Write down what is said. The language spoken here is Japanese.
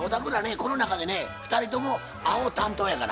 この中でね２人ともあほ担当やから。